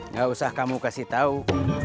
nggak usah kamu kasih tau